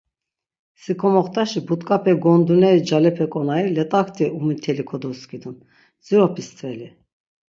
Si komoxtaşi but̆k̆ape gonduneri calepe k̆onari let̆akti umiteli kodoskidun, dziropi stveli?